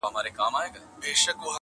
یوه شپه دي پر مزار باندي بلېږي-